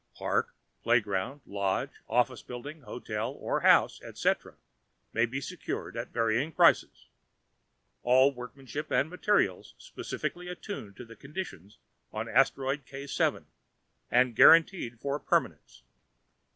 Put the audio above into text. Park, playground, lodge, office building, hotel or house, etc., may be secured at varying prices. All workmanship and materials specially attuned to conditions on ASTEROID K_ and guaranteed for PERMANENCE.